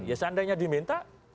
ya seandainya diminta